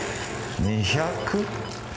２００？